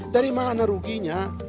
dari mana ruginya